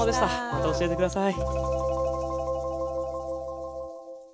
また教えて下さい。